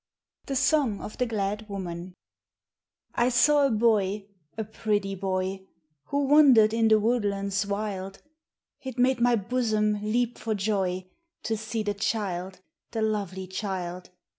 THE SONG OF THE GLAD WOMAN I SAW a boy, a pretty boy, Who wandered in the woodlands wild ; It made my bosom leap for joy To see the child, the lovely child.